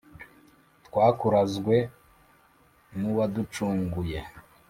twakurazwe n’uwaducunguye